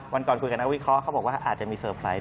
วันก่อนคุยกับนักวิเคราะห์เขาบอกว่าอาจจะมีเซอร์ไพรส์